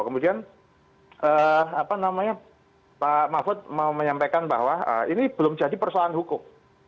kemudian pak mahfud mau menyampaikan bahwa ini belum jadi persoalan hukum